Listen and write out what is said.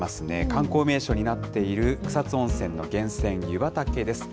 観光名所になっている草津温泉の源泉、湯畑です。